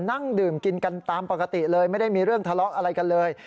นั่งดื่มกินกันตามปกติเลยไม่ได้มีเรื่องทะเลาะอะไรกันเลย